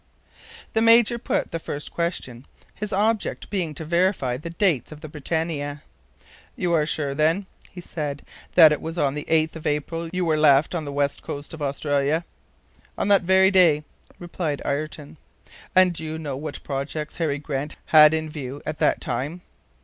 The Major put the first question, his object being to verify the dates of the BRITANNIA. "You are sure then," he said, "that it was on the 8th of April you were left on the west coast of Australia?" "On that very day," replied Ayrton. "And do you know what projects Harry Grant had in view at the time?"